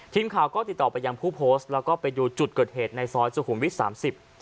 ทีมข่าวก็ติดต่อไปยังผู้โพสต์แล้วก็ไปดูจุดเกิดเหตุในซอยสุขุมวิทย์สามสิบ